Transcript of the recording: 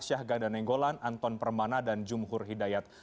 syahgan danenggolan anton permana dan jumhur hidayat